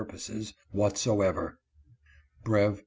303 poses, whatsoever.' (Brev.